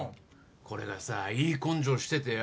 これがさいい根性しててよ。